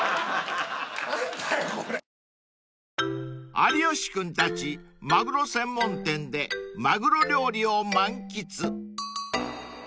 ［有吉君たちマグロ専門店でマグロ料理を満喫］